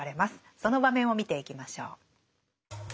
その場面を見ていきましょう。